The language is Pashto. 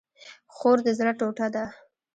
خور د زړه ټوټه ده